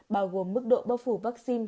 bao gồm mức độ bóc phủ vaccine